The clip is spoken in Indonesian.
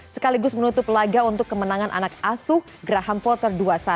sekaligus menutup laga untuk kemenangan anak asuh graham potter dua puluh satu